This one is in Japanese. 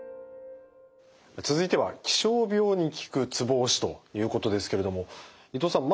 続いては気象病に効くツボ押しということですけれども伊藤さん